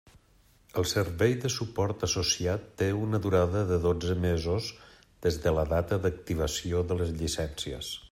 El servei de suport associat té una durada de dotze mesos des de la data d'activació de les llicències.